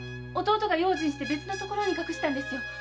弟が用心して別の所に隠したんです。